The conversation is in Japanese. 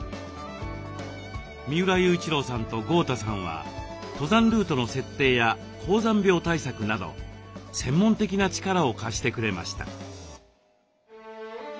三浦雄一郎さんと豪太さんは登山ルートの設定や高山病対策など専門的な力を貸してくれました。